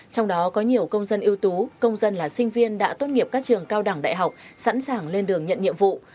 trong đó có nhiều công dân ưu tú công dân là sinh viên đã tốt nghiệp các trường cao đẳng đại học sẵn sàng lên đường nhận nhiệm vụ